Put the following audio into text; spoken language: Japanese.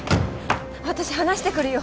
私話してくるよ。